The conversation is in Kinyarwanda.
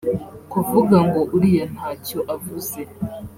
kuvuga ngo uriya ntacyo avuze